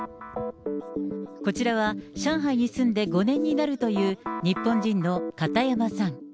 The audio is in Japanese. こちらは上海に住んで５年になるという、日本人の片山さん。